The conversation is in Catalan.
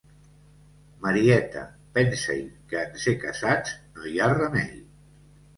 Marieta, pensa-hi, que en ser casats, no hi ha remei.